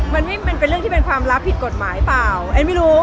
มันไม่มันเป็นเรื่องที่เป็นความลับผิดกฎหมายเปล่าแอนไม่รู้